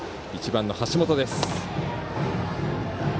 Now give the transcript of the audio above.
１番の橋本です。